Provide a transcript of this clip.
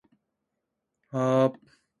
飛行機に乗りたい